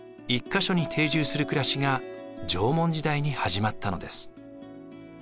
１か所に定住する暮らしが縄文時代に始まったのです。